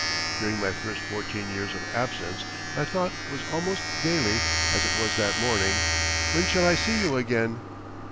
During my first fourteen years of absence my thought was almost daily, as it was that morning, "When shall I see you again?"